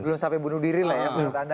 belum sampai bunuh diri lah ya menurut anda